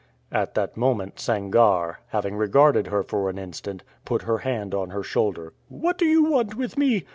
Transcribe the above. At that moment Sangarre, having regarded her for an instant, put her hand on her shoulder. "What do you want with me?"